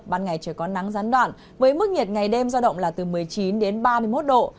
ban ngày trời có nắng gián đoạn với mức nhiệt ngày đêm giao động là từ một mươi chín đến ba mươi một độ